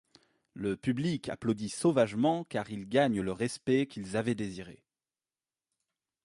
Le public applaudit sauvagement car ils gagnent le respect qu'ils avaient désiré.